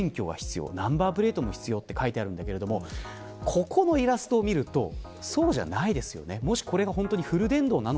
ここのイラストを見るとそうじゃないですよね。